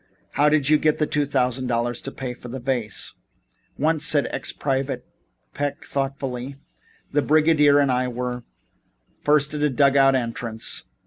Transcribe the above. How did you get the two thousand dollars to pay for this vase?" "Once," said ex Private Peck thoughtfully, "the brigadier and I were first at a dug out entrance.